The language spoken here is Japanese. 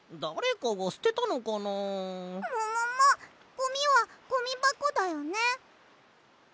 ゴミはゴミばこだよね。